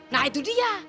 nah itu dia